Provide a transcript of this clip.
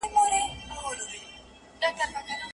تولیدي مؤسسې به نور مالونه هم تولید کړي.